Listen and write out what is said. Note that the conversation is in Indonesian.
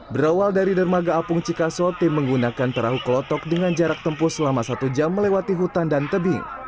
berawal dari dermaga apung cikaso tim menggunakan perahu kelotok dengan jarak tempuh selama satu jam melewati hutan dan tebing